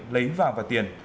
lấy vàng và tiền